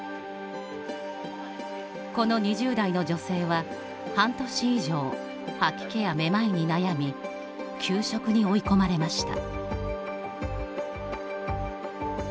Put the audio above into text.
この２０代の女性は半年以上、吐き気やめまいに悩み休職に追い込まれました。